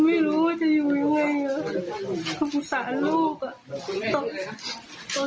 ไม่รู้กรุกตกตอนที่แพรงมันไม่รู้ว่า